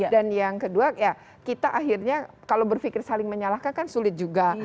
dan yang kedua ya kita akhirnya kalau berpikir saling menyalahkan kan sulit juga